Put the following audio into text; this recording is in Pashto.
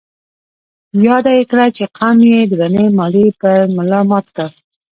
ياده يې کړه چې قوم يې درنې ماليې پر ملا مات کړ.